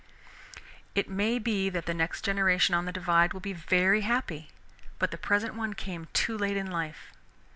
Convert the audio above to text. It may be that the next generation on the Divide will be very happy, but the present one came too late in life.